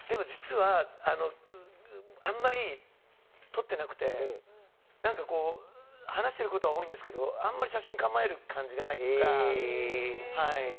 実は、あまり撮っていなくて話してることは多いんですけどあんまり写真構える感じがないっていうか。